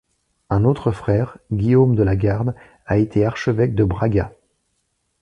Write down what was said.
Un autre frère, Guillaume de La Garde, a été archevêque de Braga.